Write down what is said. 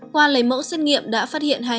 qua lấy mẫu xét nghiệm đã phát hiện hai mươi hai